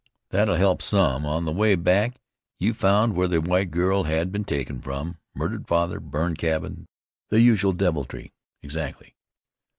"That'll help some. On the way back you found where the white girl had been taken from. Murdered father, burned cabin, the usual deviltry." "Exactly."